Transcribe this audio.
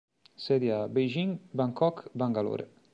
Sedi a Beijing, Bangkok, Bangalore.